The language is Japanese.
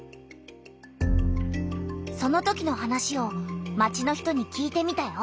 そのときの話を町の人に聞いてみたよ。